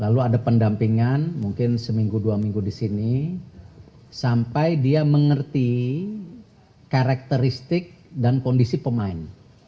lalu ada pendampingan mungkin seminggu dua minggu di sini sampai dia mengerti karakteristik dan kondisi pemain